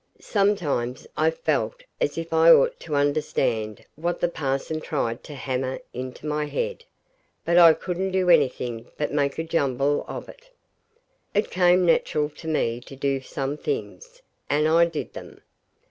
Sometimes I felt as if I ought to understand what the parson tried to hammer into my head; but I couldn't do anything but make a jumble of it. It came natural to me to do some things, and I did them.